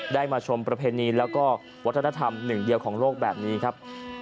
มาชมประเพณีแล้วก็วัฒนธรรมหนึ่งเดียวของโลกแบบนี้ครับ